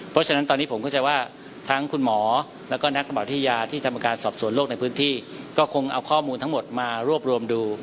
เพราะฉะนั้นตอนนี้ผมเข้าใจว่าทั้งคุณหมอแล้วก็นักระบาดวิทยาที่ทำการสอบสวนโลกในพื้นที่ก็คงเอาข้อมูลทั้งหมดมารวบรวมดู